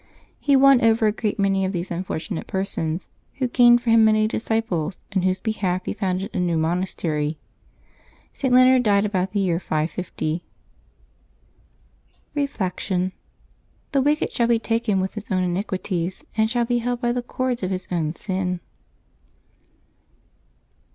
He won over a great many of these unfortunate persons, which gained for him many disciples, in whose behalf he founded a new monastery. St. Leonard died about the year 550. Reflection. —" The wicked shall be taken with his own iniquities, and shall be held by the cords of his own sin."